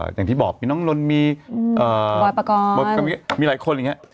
อย่างที่บอกมีน้องน้นมีอืมเอ่อบ่อยประกอบมีหลายคนอย่างเงี้ย